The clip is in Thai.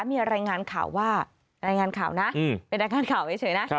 มีรายงานข่าวว่ารายงานข่าวนะเป็นรายงานข่าวเฉยนะ